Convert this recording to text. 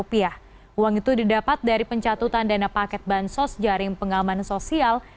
uang itu didapat dari pencatutan dana paket bansos jaring pengaman sosial